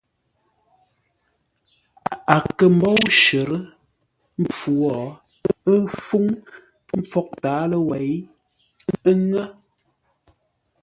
A kə̂ mbóu shərə́ mpfu wo, ə́ fúŋ mpfǒghʼ tǎaló wêi, ə́ ŋə́.